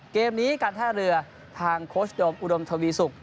เกมนี้การท่าเรือทางโค้ชโดมอุดมทวีสุก